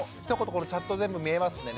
このチャット全部見えますんでね